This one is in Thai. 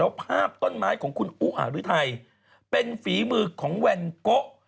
ภาพต้นไม้ของคุณอุอารุไทยเป็นฝีมือของแวนโกะ